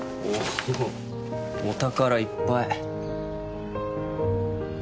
お宝いっぱい。